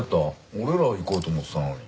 俺らが行こうと思ってたのに。